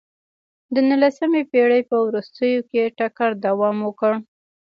د نولسمې پېړۍ په وروستیو کې ټکر دوام وکړ.